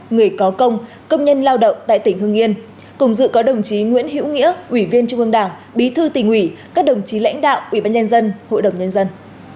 người có công công nhân lao động tại tỉnh hưng yên cùng dự có đồng chí nguyễn hữu nghĩa ủy viên trung ương đảng bí thư tỉnh ủy các đồng chí lãnh đạo ủy ban nhân dân hội đồng nhân dân